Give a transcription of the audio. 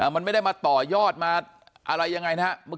มันไม่ได้มาต่อยอดมาอะไรยังไงนะครับ